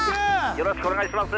よろしくお願いします。